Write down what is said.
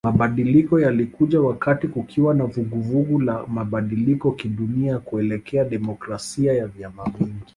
Mabadiliko yalikuja wakati kukiwa na vuguvugu la mabadiliko kidunia kuelekea demokrasia ya vyama vingi